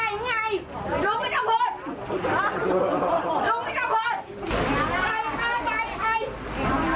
เรฟพี่ก่อนให้เอา